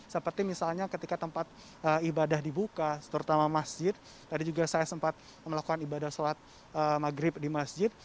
seperti misalnya ketika tempat ibadah dibuka terutama masjid tadi juga saya sempat melakukan ibadah sholat maghrib di masjid